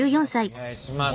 お願いします。